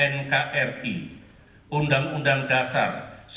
nkri undang undang dasar seribu sembilan ratus empat puluh